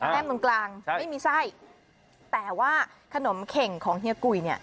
แก้งเงินกลางใช่ไม่มีไส้แต่ว่าขนมเข็งของเฮียกุยเนี่ย